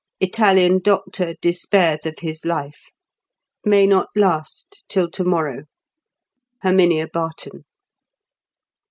Italian doctor despairs of his life. May not last till tomorrow.—HERMINIA BARTON."